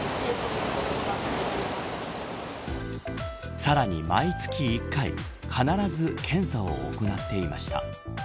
さらに、毎月１回必ず検査を行っていました。